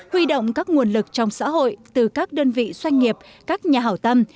huy động các nguồn lực trong xã hội từ các đơn vị doanh nghiệp các nhà hảo tâm